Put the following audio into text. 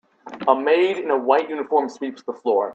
A maid in a white uniform sweeps the floor.